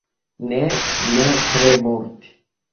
Ne, ne tre multe!